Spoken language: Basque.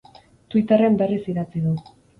Twitterren berriz idatzi du.